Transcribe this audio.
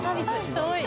すごい。